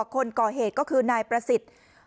คนก่อเหตุก็คือนายประสิทธิ์